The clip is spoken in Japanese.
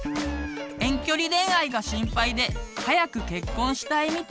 遠距離恋愛が心配で早く結婚したいみたい。